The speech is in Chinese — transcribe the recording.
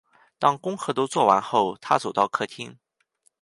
当功课都做完后，她走到客厅